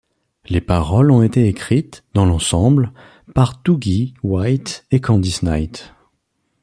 Les paroles ont été écrites, dans l'ensemble, par Doogie White et Candice Night.